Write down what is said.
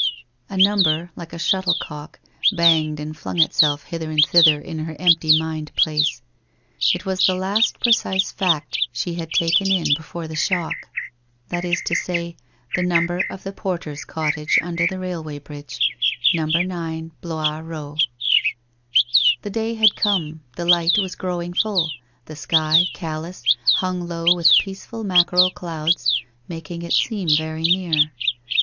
A number, like a shuttlecock, banged and flung itself hither and thither in her empty mind place. It was the last precise fact she had taken in before the shock, that 246 WHITE ROSE OF WEARY LEAF is to say, the number of the porter's cottage under the railway bridge — No. 9, Blois Row. The day had come, the light was growing full, the sky, callous, hung low with peaceful mackerel clouds, making it seem very near.